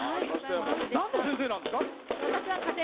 なんの先生なんですか？